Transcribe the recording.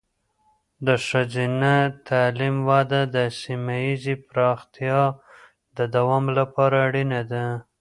د ښځینه تعلیم وده د سیمه ایزې پرمختیا د دوام لپاره اړینه ده.